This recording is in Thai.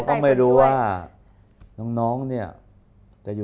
อเรนนี่แหละอเรนนี่แหละ